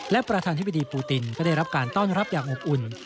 และประธานธิบดีปูตินก็ได้รับการต้อนรับอย่างอบอุ่น